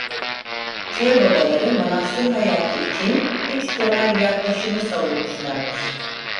Çöl Babaları manastır hayatı için üç temel yaklaşımı savunmuşlardır.